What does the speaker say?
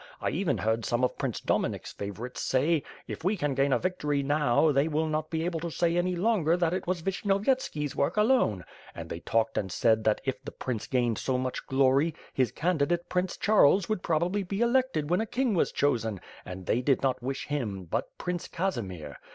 I even heard some of Prince Dominik's favorites say, "If we can gain a victory now, they will not be able to say any longer that it was Vishnyovy etski's work alone;' and' they talked and said that if the prince gained so much glory, his candidate Prince Charles would probably be elected when a king was chosen; and they did not wish him, but Prince Casimir.